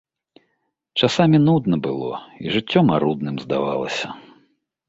Часамі нудна было, і жыццё марудным здавалася.